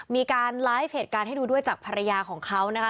มีการไลฟ์เหตุการณ์ให้ดูด้วยจากภรรยาของเขานะคะ